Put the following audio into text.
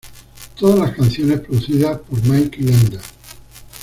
Todas las canciones producidas por Mike Leander.